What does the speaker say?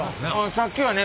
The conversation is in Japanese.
さっきはね